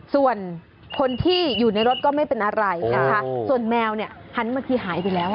ส่วนคนที่อยู่ในรถก็ไม่เป็นอะไรส่วนแมวฮันเมื่อกี้หายไปแล้ว